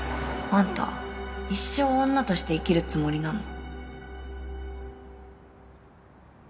あんた一生女として生きるつもりなの？